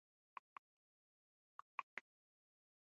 د ولس غوښتنې د ټولنیزو ستونزو د حل شاخص دی